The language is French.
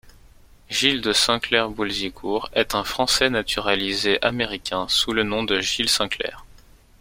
Gilles de Saint-Clair-Boulzicourt est un Français naturalisé Américain sous le nom Gil Sinclair.